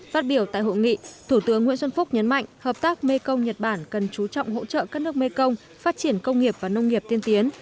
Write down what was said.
phát biểu tại hội nghị thủ tướng nguyễn xuân phúc nhấn mạnh hợp tác mekong nhật bản cần chú trọng hỗ trợ các nước mekong phát triển công nghiệp và nông nghiệp tiên tiến